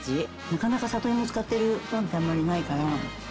なかなか里いもを使っているパンってあまりないから。